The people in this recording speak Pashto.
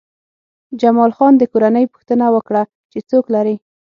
جمال خان د کورنۍ پوښتنه وکړه چې څوک لرې